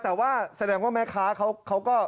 แต่ว่าแสดงว่าแม่ค้าเขาก็